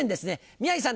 宮治さん。